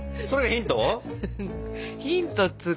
ヒントっつかもう！